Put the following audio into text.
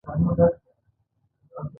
فکري خپلواکي د نورو خپلواکیو د دفاع علم دی.